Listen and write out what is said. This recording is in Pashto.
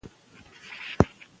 خلک نور وخت لري.